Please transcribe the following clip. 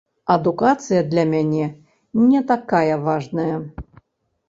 Адукацыя для мяне не такая важная.